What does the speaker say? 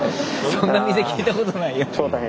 そんな店聞いたことないよ。